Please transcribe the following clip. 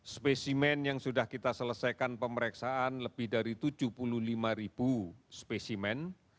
spesimen yang sudah kita selesaikan pemeriksaan lebih dari tujuh puluh lima ribu spesimen